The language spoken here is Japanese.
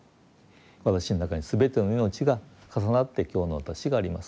私の中に全ての命が重なって今日の私がありますと。